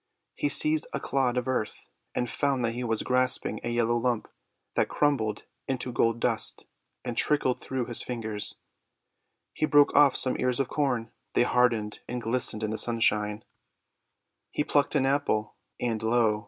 He seized a clod of earth, and found that he was grasping a yellow lump that crumbled into gold dust and trickled through his ringers. He broke off some ears of Corn; they hardened, and glistened in the sunshine. GOLDEN GIFT OF KING MIDAS 277 He plucked an Apple, and, lo!